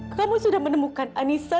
kamu sudah menemukan anissa